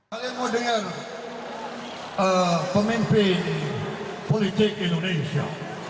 kalian mau dengar pemimpin politik indonesia